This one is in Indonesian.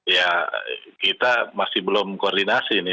ya kita masih belum koordinasi nih